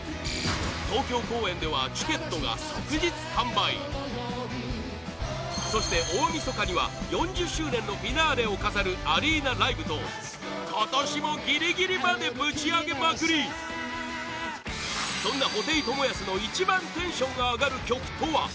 東京公演ではチケットが即日完売そして大みそかには４０周年のフィナーレを飾るアリーナライブと今年もギリギリまでぶちアゲまくりそんな布袋寅泰の、一番テンションが上がる曲とは？